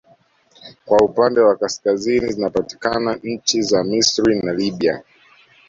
Kwa upande wa kaskazini zinapatikana nchi za Misri na Libya